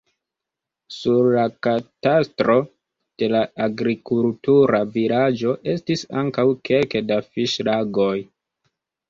Sur la katastro de la agrikultura vilaĝo estis ankaŭ kelke da fiŝlagoj.